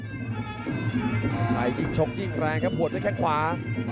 พัชชัยยิ่งชกยิ่งแรงครับหวดด้วยแค่งขวา